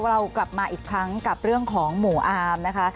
เรากลับมาอีกครั้งกับเรื่องของหมู่อาร์มนะคะ